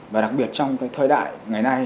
và đặc biệt trong cái thời đại ngày nay